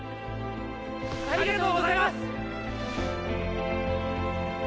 ありがとうございます！